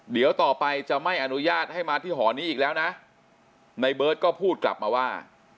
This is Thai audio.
เดี๋ยวต่อไปจะไม่อนุญาตให้มาที่หอนี้อีกแล้วนะในเบิร์ตก็พูดกลับมาว่า